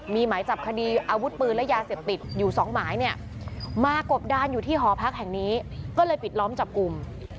มีหมายจับคดีอาวุธปืนและยาเสพติดอยู่สองหมายเนี่ยมากบดานอยู่ที่หอพักแห่งนี้ก็เลยปิดล้อมจับกลุ่ม